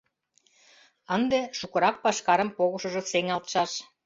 Ынде шукырак пашкарым погышыжо сеҥалтшаш.